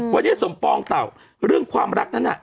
วันนี้สมปองเต่าเรื่องความรักนั้นน่ะ